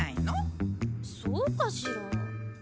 そうかしら。